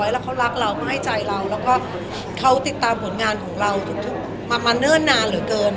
แล้วเขารักเราก็ให้ใจเราแล้วก็เขาติดตามผลงานของเรามาเนิ่นนานเหลือเกิน